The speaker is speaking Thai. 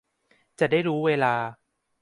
จะได้รู้เวลา